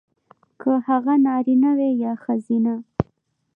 کـه هغـه نـاريـنه وي يـا ښـځيـنه .